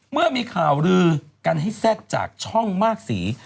เมื่อมีข่าวลือกันให้แทรกจากช่องมากสี